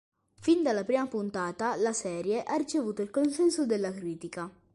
Fin dalla prima puntata, la serie ha ricevuto il consenso della critica.